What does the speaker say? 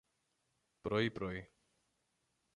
πρωί-πρωί